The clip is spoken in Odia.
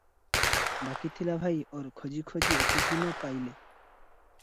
ବାକି ଥିଲା ଭାଇ --ଓର ଖୋଜି ଖୋଜି ଏତେଦିନ ପାଇଲେ ।